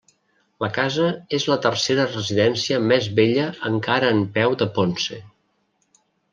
La casa és la tercera residència més vella encara en peu de Ponce.